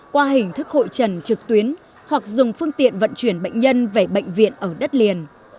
qua hình thức hội trần trực tuyến hoặc dùng phương tiện vận chuyển bệnh nhân về bệnh viện ở đất liền